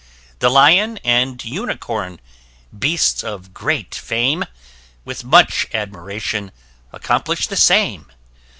The Lion and Unicorn, beasts of great fame, With much admiration, accomplish'd the same.